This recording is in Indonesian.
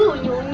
udah deh kuenya